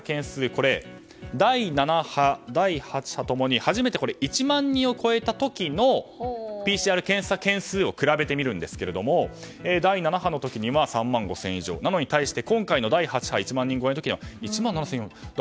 これは、第７波第８波共に初めて１万人を超えた時のＰＣＲ検査件数を比べてみるんですが第７波の時には３万５０００以上なのに対して第８波、１万人超えの時は１万７４３０件。